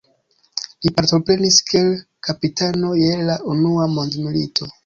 Li partoprenis kiel kapitano je la unua mondmilito.